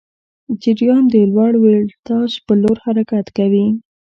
جریان د لوړ ولتاژ پر لور حرکت کوي.